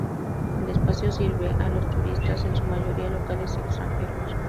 El espacio sirve a los turistas en su mayoría locales y extranjeros.